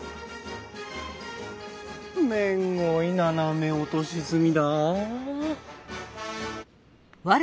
めんごい斜め落とし積みだあ。